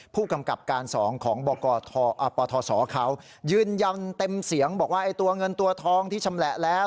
ผู้กำกับการ๒ของปทศเขายืนยันเต็มเสียงบอกว่าตัวเงินตัวทองที่ชำแหละแล้ว